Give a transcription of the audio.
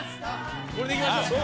これで行きましょう。